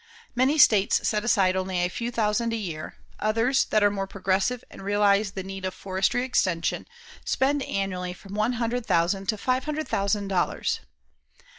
Many states set aside only a few thousand a year; others, that are more progressive and realize the need of forestry extension, spend annually from one hundred thousand to five hundred thousand dollars.